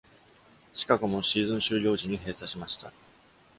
シカゴもシーズン終了時に閉鎖しました。